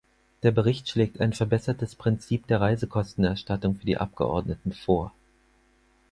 Der Bericht schlägt ein verbessertes Prinzip der Reisekostenerstattung für die Abgeordneten vor.